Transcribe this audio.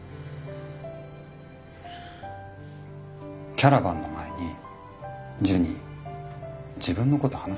キャラバンの前にジュニ自分のこと話してくれたよな。